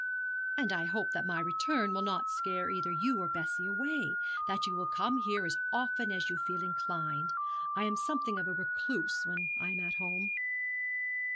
'And I hope that my return will not scare either you or Bessie away; that you will come here as often as you feel inclined. I am something of a recluse when I am at home.'